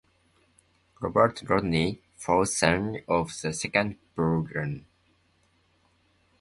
Robert Rodney, fourth son of the second Baron.